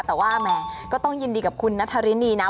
แต่ว่าแหมก็ต้องยินดีกับคุณนัทธารินีนะ